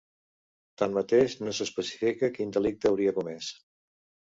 Tanmateix, no s’especifica quin delicte hauria comès.